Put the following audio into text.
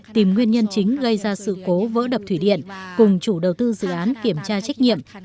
tìm nguyên nhân chính gây ra sự cố vỡ đập thủy điện cùng chủ đầu tư dự án kiểm tra trách nhiệm